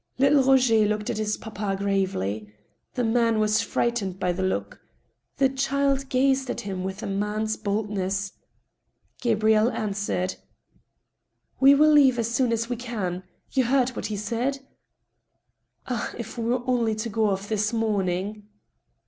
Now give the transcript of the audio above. Little Roger looked at his papa gravely. The man was fright ened by the look. The child gazed at him with a man's bold ness. Gabrielle answered : A DISAGREEABLE VISITOR. 67 •' We will leave as soon ad we can. You heard what he said ?"" Ah ! if we had only got off this mgming